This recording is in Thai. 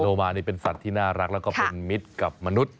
มานี่เป็นสัตว์ที่น่ารักแล้วก็เป็นมิตรกับมนุษย์